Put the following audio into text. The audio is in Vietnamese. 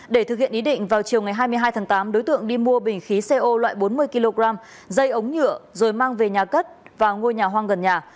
để thực hiện ý định vào chiều ngày hai mươi hai tháng tám đối tượng đi mua bình khí co loại bốn mươi kg dây ống nhựa rồi mang về nhà cất và ngôi nhà hoang gần nhà